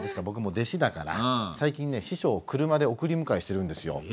僕も弟子だから最近ね師匠を車で送り迎えしてるんですよ。